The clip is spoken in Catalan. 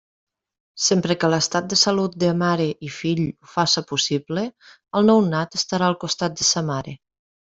Sempre que l'estat de salut de mare i fill ho faça possible, el nounat estarà al costat de sa mare.